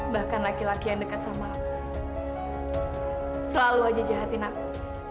bahkan laki laki yang dekat sama selalu aja jahatin aku